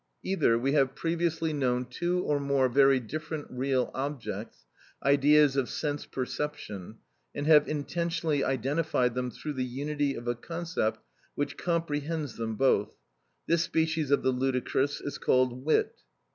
Either, we have previously known two or more very different real objects, ideas of sense perception, and have intentionally identified them through the unity of a concept which comprehends them both; this species of the ludicrous is called wit.